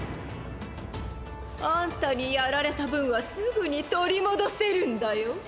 あんたにやられた分はすぐに取り戻せるんだよ。